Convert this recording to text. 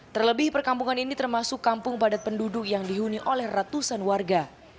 terlebih perkampungan ini termasuk kampung padat penduduk yang dihuni oleh ratusan warga